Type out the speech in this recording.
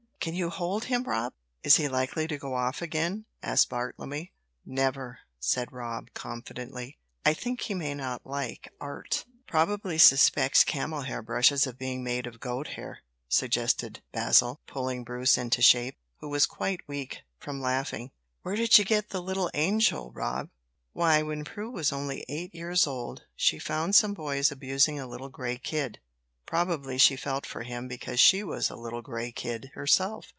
"Can you hold him, Rob? Is he likely to go off again?" asked Bartlemy. "Never," said Rob, confidently. "I think he may not like art." "Probably suspects camel hair brushes of being made of goat hair," suggested Basil, pulling Bruce into shape, who was quite weak from laughing. "Where did you get the little angel, Rob?" "Why, when Prue was only eight years old she found some boys abusing a little grey kid probably she felt for him because she was a little Grey kid herself.